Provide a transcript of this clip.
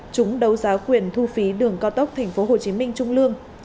chúng đấu giá quyền thu phí đường cao tốc tp hcm trung lương